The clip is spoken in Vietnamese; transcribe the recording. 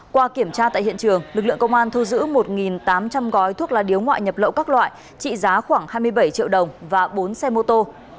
qua kiểm tra tại hiện trường lực lượng công an thu giữ một tám trăm linh gói thuốc lá điếu ngoại nhập lậu các loại trị giá khoảng hai mươi bảy triệu đồng và bốn xe mô tô